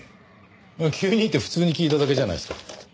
「急に」って普通に聞いただけじゃないですか。